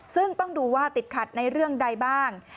ซึ่งต้องดูว่าติดขัดในเรื่องใดบ้าง